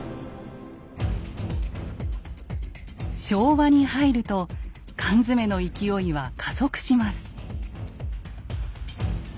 昭和に入ると缶詰の勢いは加速します。